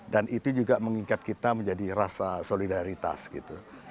dan itu juga mengingat kita menjadi rasa solidaritas gitu